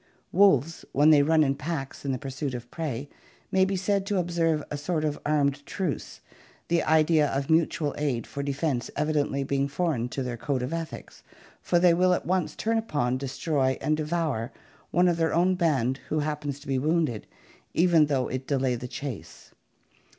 Wolves, when they run in packs in the pursuit of prey, may be said to observe a sort of armed truce, the idea of mutual aid for defense evidently being foreign to their code of ethics, for they will at once turn upon, destroy, and devour one of their own band who happens to be wounded, even though it delay the chase.